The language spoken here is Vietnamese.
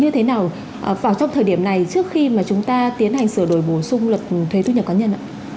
như thế nào vào trong thời điểm này trước khi mà chúng ta tiến hành sửa đổi bổ sung luật thuế thu nhập cá nhân ạ